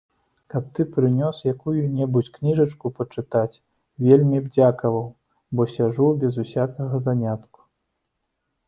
Каб ты прынёс якую-небудзь кніжачку пачытаць, вельмі б дзякаваў, бо сяджу без усякага занятку.